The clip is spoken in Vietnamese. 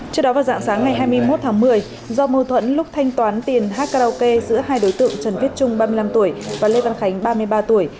trước đó vào dạng sáng ngày hai mươi một tháng một mươi do mâu thuẫn lúc thanh toán tiền hát karaoke giữa hai đối tượng trần viết trung ba mươi năm tuổi và lê văn khánh ba mươi ba tuổi